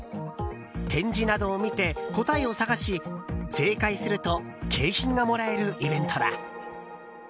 展示などを見て答えを探し正解すると景品がもらえるイベントだ。